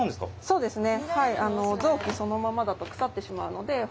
そうですね。